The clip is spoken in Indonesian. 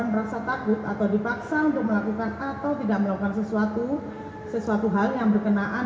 merasa takut atau dipaksa untuk melakukan atau tidak melakukan sesuatu sesuatu hal yang berkenaan